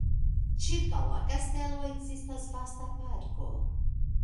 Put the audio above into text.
Ĉirkaŭ la kastelo ekzistas vasta parko.